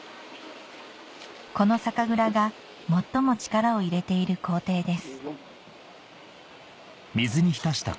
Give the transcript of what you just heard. この酒蔵が最も力を入れている工程です